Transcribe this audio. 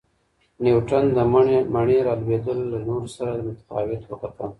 نیوټن د مڼې را لویدل له نورو سره متفاوت وکتل.